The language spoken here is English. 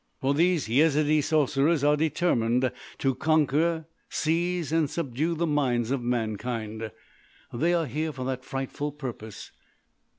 "For these Yezidee Sorcerers are determined to conquer, seize, and subdue the minds of mankind. They are here for that frightful purpose.